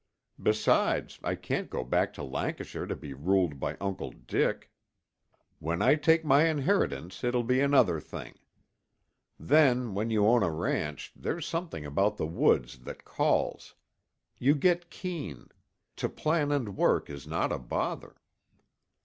Besides, I can't go back to Lancashire to be ruled by Uncle Dick. When I take my inheritance, it will be another thing. Then, when you own a ranch, there's something about the woods that calls. You get keen; to plan and work is not a bother."